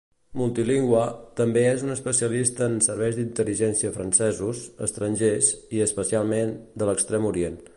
Multilingüe, també és un especialista en serveis d'intel·ligència francesos, estrangers i, especialment, de l'Extrem Orient.